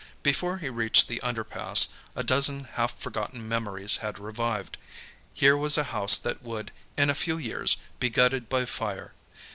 Before he reached the underpass, a dozen half forgotten memories had revived. Here was a house that would, in a few years, be gutted by fire.